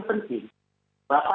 kita juga sudah berjalan jalan